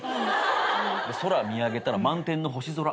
空見上げたら満天の星空。